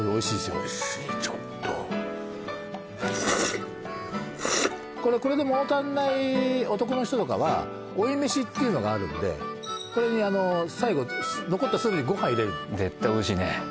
おいしいちょっとこれで物足んない男の人とかは追い飯っていうのがあるんでこれに最後残ったスープにご飯入れるの絶対おいしいね